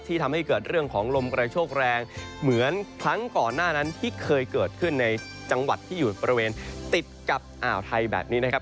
ทำให้เกิดเรื่องของลมกระโชคแรงเหมือนครั้งก่อนหน้านั้นที่เคยเกิดขึ้นในจังหวัดที่อยู่บริเวณติดกับอ่าวไทยแบบนี้นะครับ